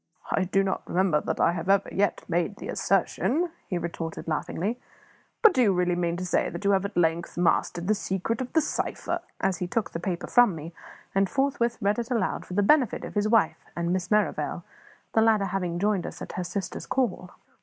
"I do not remember that I have ever yet made the assertion," he retorted laughingly. "But do you really mean to say that you have at length mastered the secret of the cipher?" as he took the paper from me, and forthwith read it aloud for the benefit of his wife and Miss Merrivale, the latter having joined us at her sister's call.